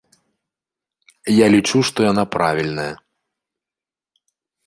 Я лічу, што яна правільная.